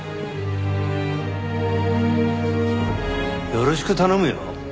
よろしく頼むよ。